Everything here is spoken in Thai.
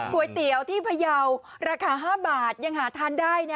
ก๋วยเตี๋ยวที่พยาวราคา๕บาทยังหาทานได้นะ